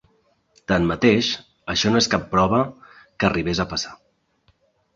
Tanmateix, això no és cap prova que arribés a passar.